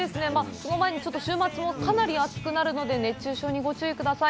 その前に週末もかなり暑くなるので、熱中症にご注意ください。